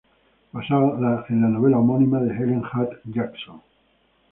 Basada en la novela homónima de Helen Hunt Jackson.